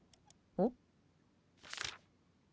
うん？